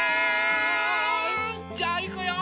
じゃあいくよ。